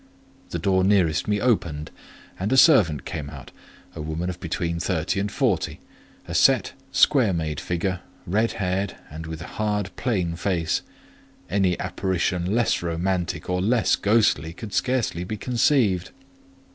The door nearest me opened, and a servant came out,—a woman of between thirty and forty; a set, square made figure, red haired, and with a hard, plain face: any apparition less romantic or less ghostly could scarcely be conceived.